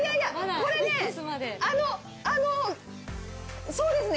これねあのあのそうですね